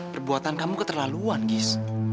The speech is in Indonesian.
perbuatan kamu keterlaluan gis